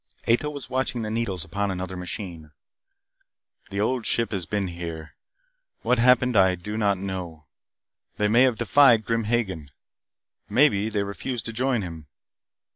Ato was watching the needles upon another machine. "The Old Ship has been here. What happened I do not know. They may have defied Grim Hagen. Maybe they refused to join him.